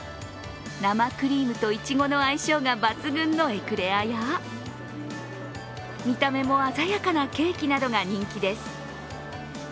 生クリームといちごの相性が抜群のエクレアや見た目も鮮やかなケーキなどが人気です。